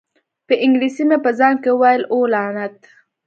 په انګلیسي مې په ځان کې وویل: اوه، لعنت!